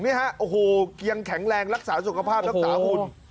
นี่ฮะโอ้โหยังแข็งแรงรักษาสุขภาพรักษาหุ่น